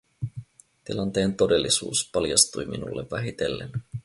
Tilanteen todellisuus paljastui minulle vähitellen.